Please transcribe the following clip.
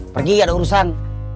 pergi gak ada urusan